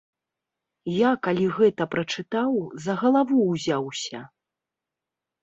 Я калі гэта прачытаў, за галаву ўзяўся.